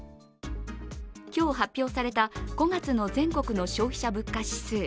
今日発表された５月の全国の消費者物価指数。